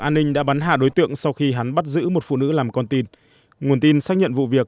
an ninh đã bắn hạ đối tượng sau khi hắn bắt giữ một phụ nữ làm con tin nguồn tin xác nhận vụ việc